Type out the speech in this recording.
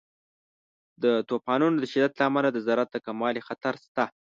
د طوفانونو د شدت له امله د زراعت د کموالي خطر شته.